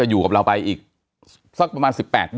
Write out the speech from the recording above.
ก็ช่วยกันในการยกตัดป้องกันนะครับ